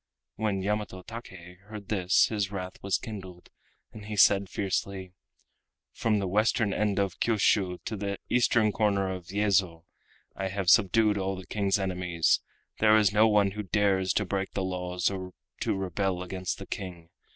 When Yamato Take heard this his wrath was kindled, and he said fiercely: "From the western end of Kiushiu to the eastern corner of Yezo I have subdued all the King's enemies—there is no one who dares to break the laws or to rebel against the King.